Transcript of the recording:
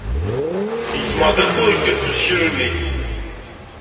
Gezmeɣ-d afurk s useklu-nni.